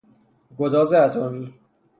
گداز اتمی